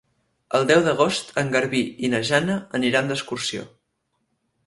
El deu d'agost en Garbí i na Jana aniran d'excursió.